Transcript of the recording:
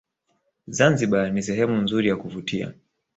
zanzibar ni sehemu nzuri ya kuvutia